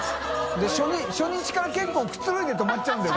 修Α初日から結構くつろいで泊まっちゃうんだよ